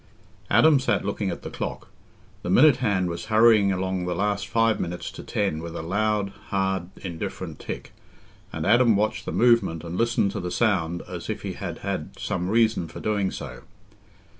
Adam sat looking at the clock: the minute hand was hurrying along the last five minutes to ten with a loud, hard, indifferent tick, and Adam watched the movement and listened to the sound as if he had had some reason for doing so.